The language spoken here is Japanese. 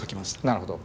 なるほど。